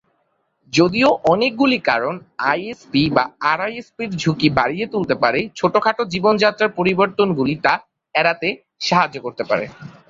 যদিও অনেকগুলি কারণ আইএসপি বা আরআইএসপি-র ঝুঁকি বাড়িয়ে তুলতে পারে, ছোটখাটো জীবনযাত্রার পরিবর্তনগুলি তা এড়াতে সাহায্য করতে পারে।